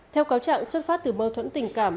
theo cáo trạng xuất phát từ mâu thuẫn tình cảm